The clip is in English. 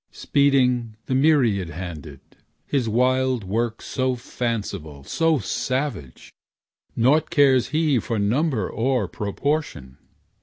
Speeding, the myriad handed, his wild work So fanciful, so savage, nought cares he For number or proportion.